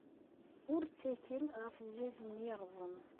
Ur ttakel ɣef zzjaj-nni yerrẓen.